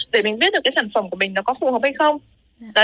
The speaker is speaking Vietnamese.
để mình biết được cái sản phẩm của mình nó có phù hợp hay không